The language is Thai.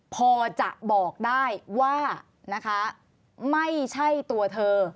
พอจะบอกได้ว่านะคะไม่ใช่ตัวเธอ